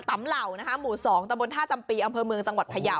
ตำเหล่าหมู่๒ตะบน๕จำปีอำเภอเมืองจังหวัดพะเยา